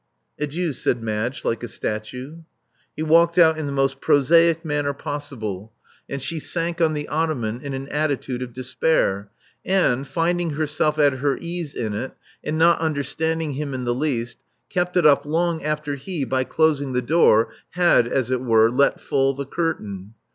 *' Adieu," said Madge, like a statue. He walked out in the most prosaic manner possible ; Love Among the Artists 431 and she sank on the ottoman in an attitude of despair, and — finding herself at her ease in it, and not under standing him in the least — kept it up long after he, by closing the door, had, as it were, let fall the curtain.